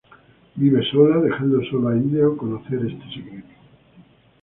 Vive sola, dejando sólo a Hideo conocer este secreto.